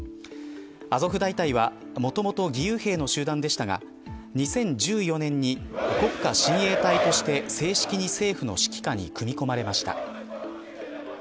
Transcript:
アゾフ大隊はもともと義勇兵の集団でしたが２０１４年に国家親衛隊として正式に政府の指揮下に組み込まれました。